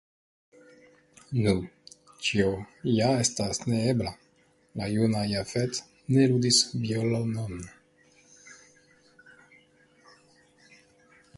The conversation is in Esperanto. Nu, tio ja estas neebla; la juna Jafet ne ludis violonon.